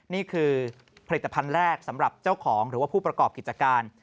นี่คือผลิตภัณฑ์แรกสำหรับเจ้าของหรือว่าผู้ประกอบกิจการ